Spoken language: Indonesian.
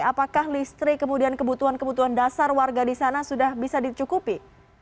apakah listrik kemudian kebutuhan kebutuhan dasar warga di sana sudah bisa dicukupi